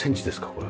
これ。